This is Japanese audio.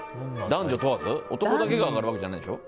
男だけが上がるわけじゃないでしょ？